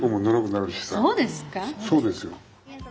そうですか？